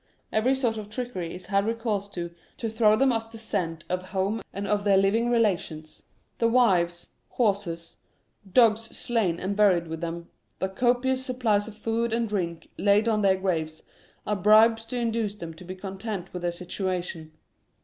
Every sort of trickery is had recourse to, to throw them off the scent of home and of their living relations. The wives, horses, dogs slain and buried with them, the copious supplies of food and drink laid on their graves, are bribes to induce them to be content with their situation.